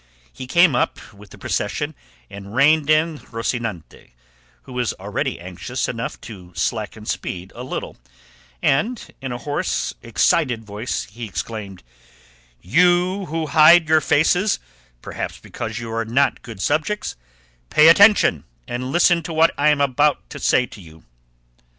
He came up with the procession and reined in Rocinante, who was already anxious enough to slacken speed a little, and in a hoarse, excited voice he exclaimed, "You who hide your faces, perhaps because you are not good subjects, pay attention and listen to what I am about to say to you."